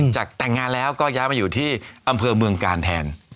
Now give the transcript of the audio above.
จากแต่งงานแล้วก็ย้ายมาอยู่ที่อำเภอเมืองกาลแทน